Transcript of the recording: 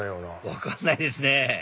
分かんないですね